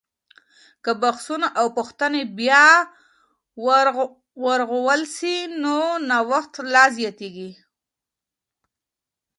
که بحثونه او پوښتنې بیا ورغول سي، نو نوښت لا زیاتیږي.